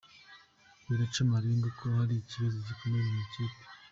Biraca amarenga ko hari ikibazo gikomeye mu ikipe?.